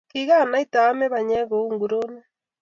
Kigaanaite aame panyek kou nguronik.